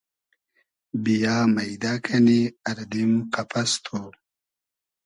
بییۂ مݷدۂ کئنی اردیم قئپئس تو